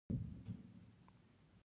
داسې ذهن لاشعور ته په اسانۍ امر کوي